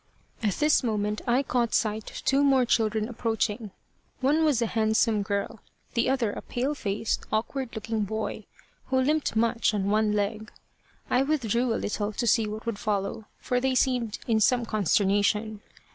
At this moment I caught sight of two more children approaching. One was a handsome girl, the other a pale faced, awkward looking boy, who limped much on one leg. I withdrew a little, to see what would follow, for they seemed in some consternation.